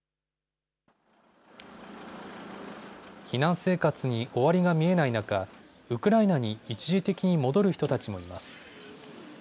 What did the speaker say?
避難生活に終わりが見えない中、ウクライナに一時的に戻る人たちもいます。